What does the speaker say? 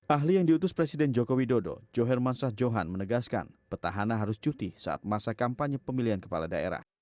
ahli yang diutus presiden joko widodo joherman shah johan menegaskan petahana harus cuti saat masa kampanye pemilihan kepala daerah